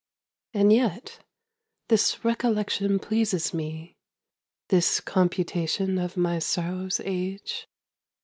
And yet this recollection pleases me, This computation of my sorrow's age.